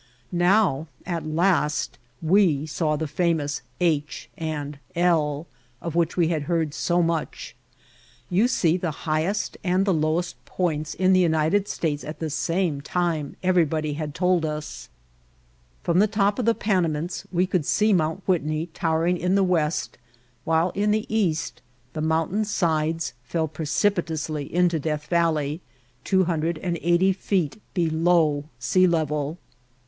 Now, at last, we saw the famous "H. and L." of which we had heard so much. "You see the highest and the lowest points in the United States at the same time," everybody had told us. From the top of the Panamints we could see Mount Whitney towering in the west, while in the east the mountain sides fall precipitously into Death Valley, 280 feet below sea level.